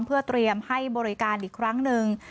เพื่อเตรียมให้บริการอีกครั้งหนึ่ง